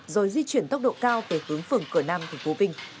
rồi di chuyển tốc độ cao về hướng phường cửa nam tp vinh